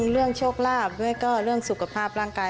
เรื่องโชคลาภด้วยก็เรื่องสุขภาพร่างกาย